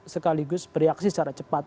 sekaligus bereaksi secara cepat